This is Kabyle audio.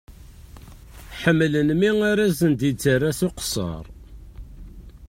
Ḥemmlen mi ara sen-d-yettara s uqesser.